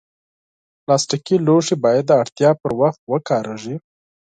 پلاستيکي لوښي باید د اړتیا پر وخت وکارېږي.